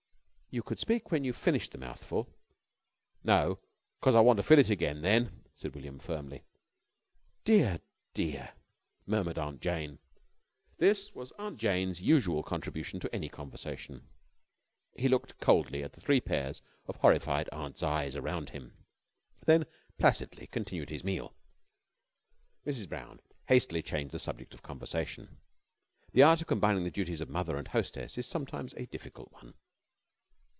"You could speak when you've finished the mouthful." "No. 'Cause I want to fill it again then," said William, firmly. "Dear, dear!" murmured Aunt Jane. This was Aunt Jane's usual contribution to any conversation. He looked coldly at the three pairs of horrified aunts' eyes around him, then placidly continued his meal. Mrs. Brown hastily changed the subject of conversation. The art of combining the duties of mother and hostess is sometimes a difficult one.